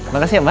makasih ya mbak